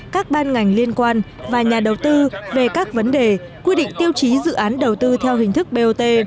các ban ngành liên quan và nhà đầu tư về các vấn đề quy định tiêu chí dự án đầu tư theo hình thức bot